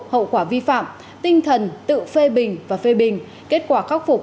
hậu quả vi phạm tinh thần tự phê bình và phê bình kết quả khắc phục